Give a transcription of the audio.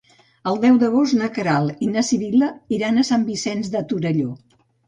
El deu d'agost na Queralt i na Sibil·la iran a Sant Vicenç de Torelló.